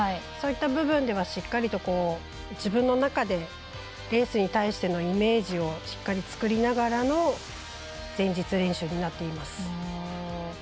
そういった部分ではしっかりと自分の中でレースに対してのイメージをしっかり作りながらの前日練習となっています。